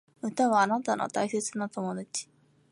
歌はあなたの大切な友達